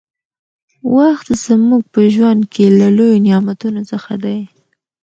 وخت زموږ په ژوند کې له لويو نعمتونو څخه دى.